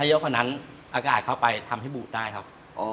เยอะกว่านั้นอากาศเข้าไปทำให้บูดได้ครับ